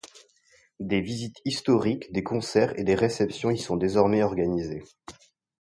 Des visites historiques, des concerts et des réceptions y sont désormais organisés.